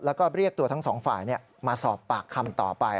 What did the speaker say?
แล้วก็เรียกตัวทั้งสองฝ่ายมาสอบปากคำต่อไป